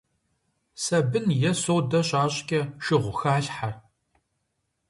Сабын е содэ щащӀкӀэ, шыгъу халъхьэ.